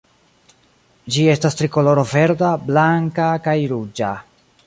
Ĝi estas trikoloro verda, blanka kaj ruĝa.